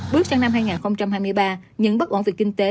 bước sang năm hai nghìn hai mươi ba những bất ổn về kinh tế